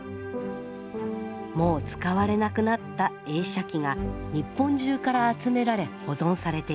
もう使われなくなった映写機が日本中から集められ保存されています。